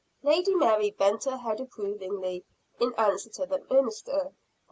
Lady Mary bent her head approvingly, in answer to the minister.